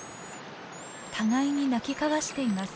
互いに鳴き交わしています。